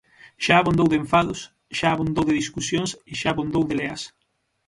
Xa abondou de enfados, xa abondou de discusións e xa abondou de leas.